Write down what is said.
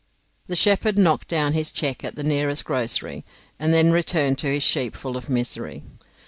The shepherd knocked down his cheque at the nearest groggery and then returned to his sheep full of misery.